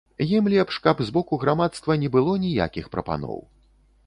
Ім лепш, каб з боку грамадства не было ніякіх прапаноў.